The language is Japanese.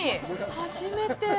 初めて。